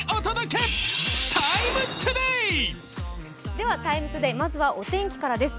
では「ＴＩＭＥ，ＴＯＤＡＹ」まずはお天気からです。